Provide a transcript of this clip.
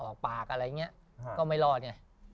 ออกปากอะไรอย่างนี้ก็ไม่รอดไง